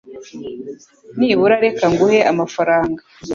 Nibura reka nguhe amafaranga.